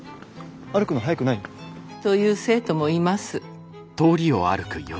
歩くの速くない？と言う生徒もいます。